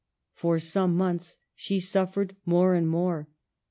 For some months she suffered more and more.